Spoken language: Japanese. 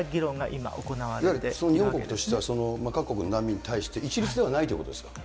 いわゆる日本国としては、各国の難民に対して一律ではないということですか？